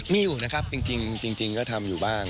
มีอยู่นะครับจริงก็ทำอยู่บ้าง